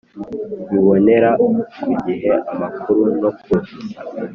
bibonera ku gihe amakuru no kuzuza